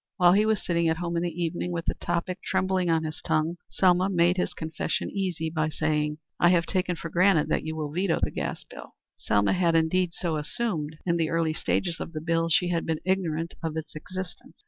While he was sitting at home in the evening with the topic trembling on his tongue, Selma made his confession easy by saying, "I have taken for granted that you will veto the gas bill." Selma had indeed so assumed. In the early stages of the bill she had been ignorant of its existence.